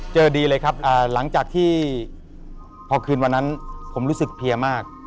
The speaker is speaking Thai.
ดีเลยครับหลังจากที่พอคืนวันนั้นผมรู้สึกเพลียมาก